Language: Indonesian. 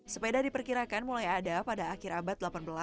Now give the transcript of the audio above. sepeda diperkirakan mulai ada pada akhir abad delapan belas